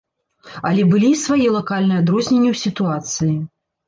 Але былі і свае лакальныя адрозненні ў сітуацыі.